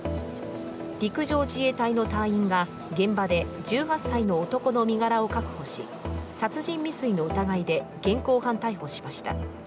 陸上自衛隊の隊員が現場で１８歳の男の身柄を確保し殺人未遂の疑いで現行犯逮捕しました。